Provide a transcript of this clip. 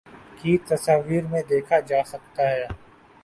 کی تصاویر میں دیکھا جاسکتا ہے